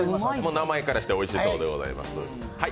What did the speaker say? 名前からしておいしそうでございます。